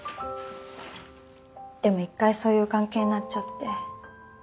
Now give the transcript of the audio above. でも一回そういう関係になっちゃって。